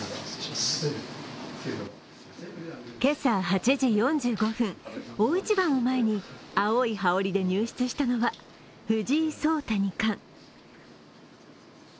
今朝８時４５分、大一番を前に青い羽織で入室したのは藤井聡太二冠。